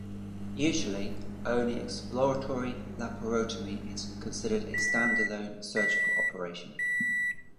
Usually, only exploratory laparotomy is considered a stand-alone surgical operation.